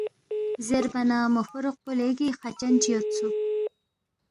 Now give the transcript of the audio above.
زیربا نہ مو فوروق پو لیگی خاچن چی یودسُوک